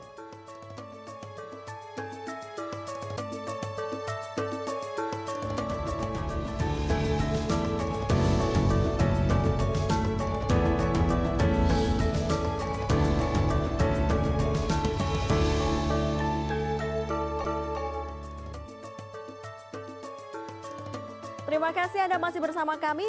terima kasih anda masih bersama kami